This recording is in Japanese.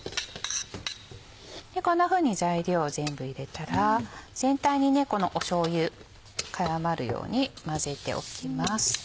こんなふうに材料を全部入れたら全体にしょうゆ絡まるように混ぜておきます。